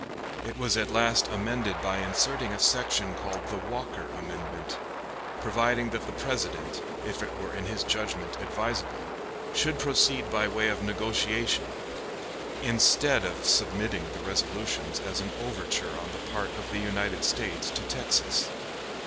It was at last amended by inserting a section called the Walker amendment, providing that the President, if it were in his judgment advisable, should proceed by way of negotiation, instead of submitting the resolutions as an overture on the part of the United States to Texas.